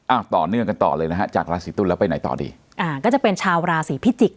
ต่อเนื่องกันต่อเลยนะฮะจากราศีตุลแล้วไปไหนต่อดีอ่าก็จะเป็นชาวราศีพิจิกษ